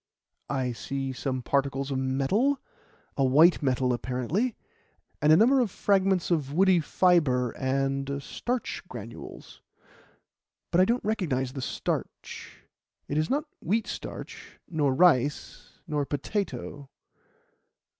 "I see some particles of metal a white metal apparently and a number of fragments of woody fibre and starch granules, but I don't recognize the starch. It is not wheat starch, nor rice, nor potato.